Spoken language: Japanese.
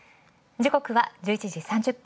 時刻は午前１１時３０分。